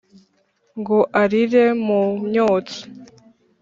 ngo aririre mu myotsi